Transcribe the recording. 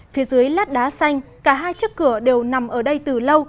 phía dưới lát đá xanh cả hai chiếc cửa đều nằm ở đây từ lâu